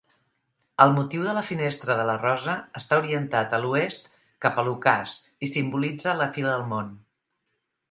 El motiu de la Finestra de la rosa està orientat a l'oest cap a l'ocàs i simbolitza la fi del món.